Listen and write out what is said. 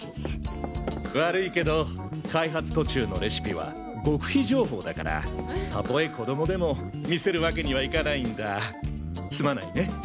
悪いけど開発途中のレシピは極秘情報だからたとえ子どもでも見せるわけにはいかないんだ。すまないね。